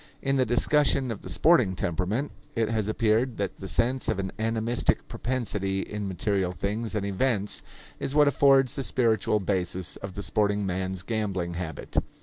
In the discussion of the sporting temperament, it has appeared that the sense of an animistic propensity in material things and events is what affords the spiritual basis of the sporting man's gambling habit.